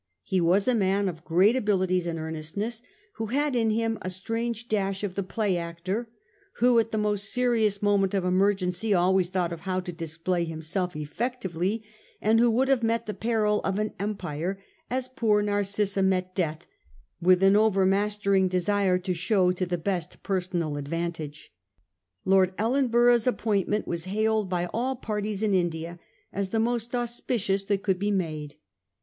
He was a man of great abilities and earnestness, who had in him a strange dash of the play actor, who at the most serious moment of emergency always thought of how to display himself effectively, and who would have met the peril of an empire as poor Nar cissa met death, with an overmastering desire to show to the best personal advantage. Lord Ellenborough's appointment was hail ed by all parties in India as the most auspicious that could be made.